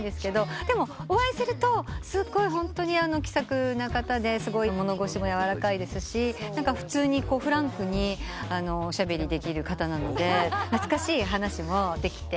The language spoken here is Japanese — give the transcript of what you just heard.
でもお会いするとすごいホントに気さくな方ですごい物腰も柔らかいですし普通にフランクにおしゃべりできる方なので懐かしい話もできて。